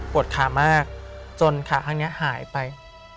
ขามากจนขาข้างนี้หายไป